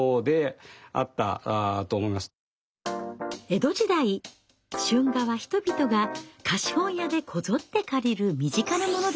江戸時代春画は人々が貸本屋でこぞって借りる身近なものでした。